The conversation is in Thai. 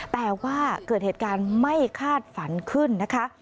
แต่ว่าเกิดเหตุการณ์ไม่คาดฝันขึ้นนะคะ